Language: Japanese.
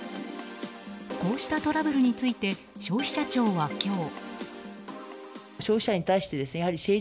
こうしたトラブルについて消費者庁は今日。